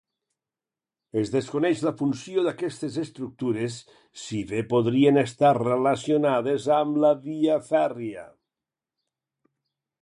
Es desconeix la funció d'aquestes estructures si ve podrien estar relacionades amb la via fèrria.